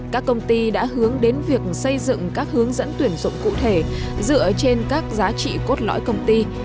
các công ty đã hướng đến việc xây dựng các hướng dẫn tuyển dụng cụ thể dựa trên các giá trị cốt lõi công ty